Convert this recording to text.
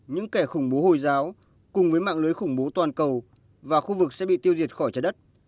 những kẻ khủng bố hồi giáo cùng với mạng lưới khủng bố toàn cầu và khu vực sẽ bị tiêu diệt khỏi trái đất